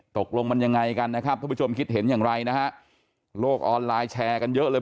ตกลงมันยังไงกันนะครับท่านผู้ชมคิดเห็นอย่างไรนะฮะโลกออนไลน์แชร์กันเยอะเลย